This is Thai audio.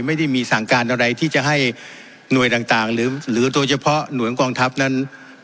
ไม่ได้มีสั่งการอะไรที่จะให้หน่วยต่างหรือโดยเฉพาะหน่วยกองทัพนั้น